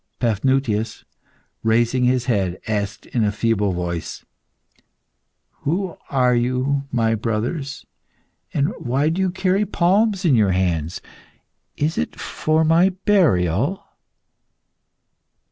Paphnutius, raising his head, asked in a feeble voice "Who are you, my brothers? And why do you carry palms in your hands? Is it for my burial?"